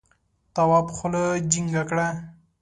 تواب خوله جینگه کړه.